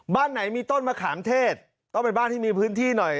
บ้านไหนมีต้นมะขามเทศต้องเป็นบ้านที่มีพื้นที่หน่อย